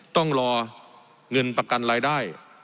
ต้องรอเงินประกันรายได้